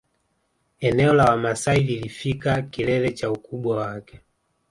Eneo la Wamasai lilifika kilele cha ukubwa wake